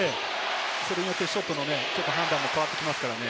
それによってショットの判断も変わってきますからね。